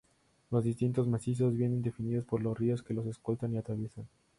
Los distintos macizos vienen definidos por los ríos que los escoltan y atraviesan.